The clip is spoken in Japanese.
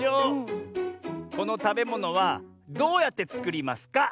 このたべものはどうやってつくりますか？